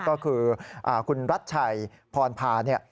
ก็คือคุณรัชชัยพรพา